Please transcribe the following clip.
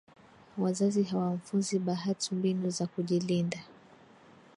Wazazi hawamfunzi Bahat mbinu za kujilinda